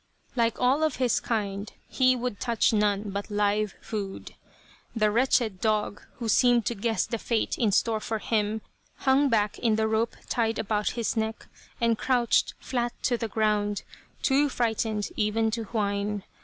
Like all of his kind he would touch none but live food. The wretched dog, who seemed to guess the fate in store for him, hung back in the rope tied about his neck, and crouched flat to the ground, too frightened even to whine.